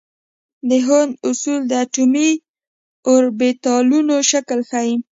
د هوند اصول د اټومي اوربیتالونو شکل ښيي.